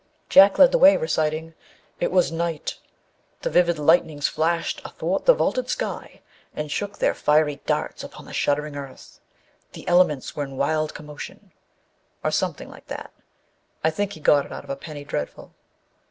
Jack led the way, reciting: "It was night! The vivid lightnings The Ghost in the Red Shirt 123 flashed athwart the vaulted sky and shook their fiery darts upon the shuddering earth. The elements were in wild commotion!" â or some thing like that. I think he got it out of a " Penny Dreadful."